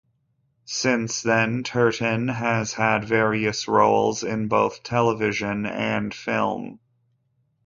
Since then, Turton has had various roles in both television and film.